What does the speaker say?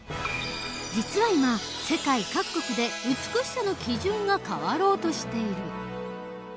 実は今世界各国で美しさの基準が変わろうとしている。